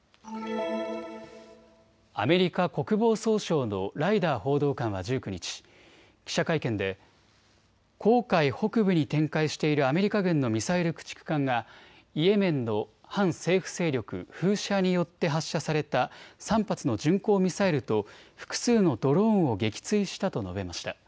アメリカ国防総省のライダー報道官は１９日、記者会見で紅海北部に展開しているアメリカ軍のミサイル駆逐艦がイエメンの反政府勢力フーシ派によって発射された３発の巡航ミサイルと複数のドローンを撃墜したと述べました。